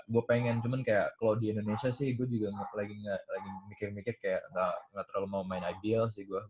gua pengen cuman kayak kalo di indonesia sih gua juga lagi mikir mikir kayak ga terlalu mau main ideal sih gua